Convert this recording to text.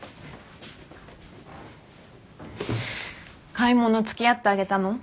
買い物付き合ってあげたの？